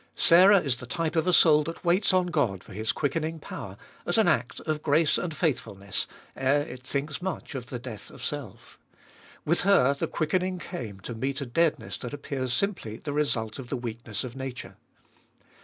Sarah is the type of a soul that waits on God for His quickening power, as an act of grace and faithfulness, ere it thinks much of the death of self. With her the quickening came to meet a deadness that appears simply the result of the weakness of nature.